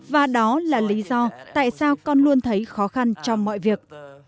và đó là lý do tại sao con luôn thấy khó khăn trong mọi việc